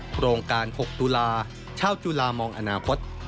โครงการ๖ตุลาชาวจุลามองอนาคต